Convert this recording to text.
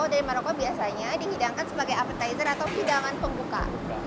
dari maroko biasanya dihidangkan sebagai appetizer atau hidangan pembuka